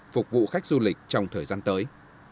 phục vụ khách du lịch trong thời gian tới